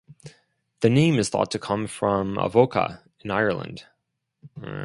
The name is thought to come from Avoca in Ireland.